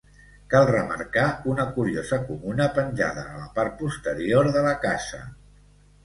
Cal remarcar una curiosa comuna penjada a la part posterior de la casa.